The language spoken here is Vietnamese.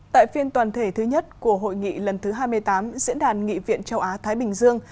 tại phiên toàn thể thứ nhất của hội nghị lần thứ hai mươi tám diễn đàn nghị viện châu á thái bình dương